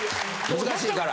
難しいから。